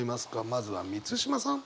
まずは満島さん。